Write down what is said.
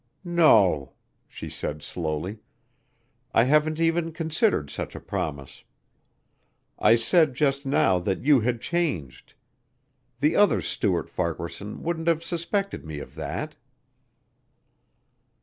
"No," she said slowly, "I haven't even considered such a promise. I said just now that you had changed. The other Stuart Farquaharson wouldn't have suspected me of that."